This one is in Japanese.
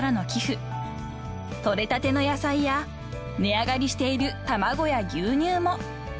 ［取れたての野菜や値上がりしている卵や牛乳も］